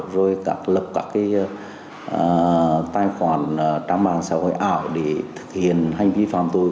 rồi lập các cái tài khoản trang mạng xã hội ảo để thực hiện hành vi phạm tội